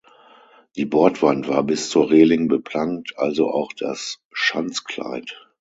Die Bordwand war bis zur Reling beplankt, also auch das Schanzkleid.